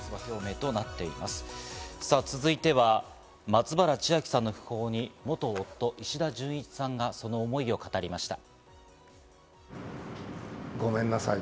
続いては、松原千明さんさんの訃報に元夫・石田純一さんが思いを語りました。